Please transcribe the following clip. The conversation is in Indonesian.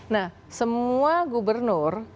nah semua gubernur